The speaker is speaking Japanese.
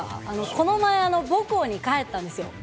この前、母校に帰ったんですよ。